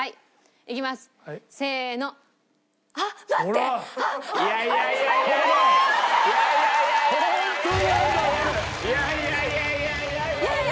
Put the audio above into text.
いやいやいやいや！